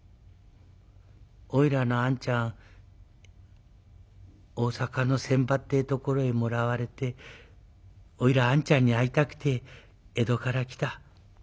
「おいらのあんちゃん大坂の船場ってところへもらわれておいらあんちゃんに会いたくて江戸から来た」。